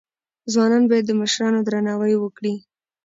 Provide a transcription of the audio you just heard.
ځوانان باید د مشرانو درناوی وکړي.